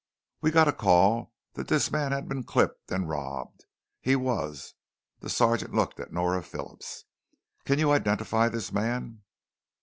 "We got a call that this man had been clipped and robbed. He was." The sergeant looked at Nora Phillips. "Can you identify this man?"